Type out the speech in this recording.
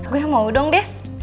gue mau dong des